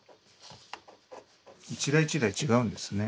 一台一台違うんですね。